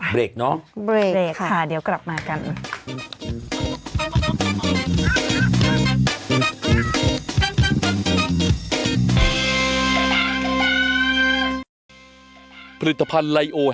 เบรกเนอะเบรกค่ะเดี๋ยวกลับมากัน